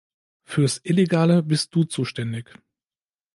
Fürs Illegale bist du zuständig.